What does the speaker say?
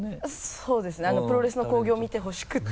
そうですねプロレスの興行を見てほしくて。